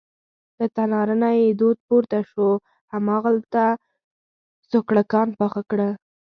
له تناره نه یې دود پورته شو، هماغلته سوکړکان پاخه کړه.